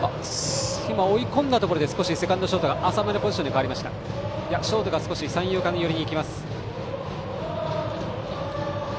追い込んだところでセカンド、ショートが浅めのポジションに変わりましたがショートは少し三遊間寄り。